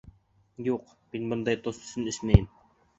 Юҡ, мин бындай тост өсөн эсмәйем.